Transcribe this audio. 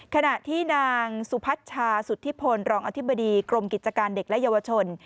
ขณะที่นางสุพัชชาสุธิพลรองอธิบดีกรมกิจการเด็กและเยาวชน